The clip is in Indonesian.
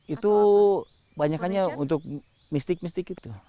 itu banyakannya untuk mistik mistik itu